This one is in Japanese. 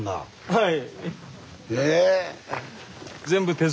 はい。